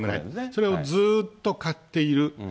それをずっと買っている。